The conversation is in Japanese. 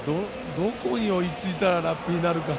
どこに追いついたらラップになるかと。